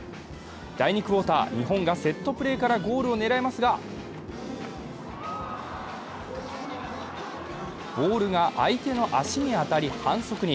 第２クオーター、日本がセットプレーからゴールを狙いますが、ボールが相手の足に当たり反則に。